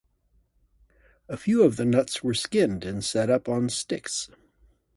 A few of the nuts were skinned and set up on sticks.